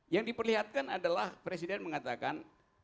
yang diperlihatkan adalah presiden mengatakan